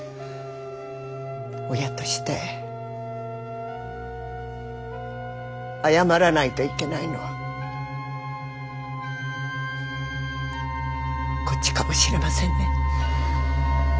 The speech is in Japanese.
親として謝らないといけないのはこっちかもしれませんね。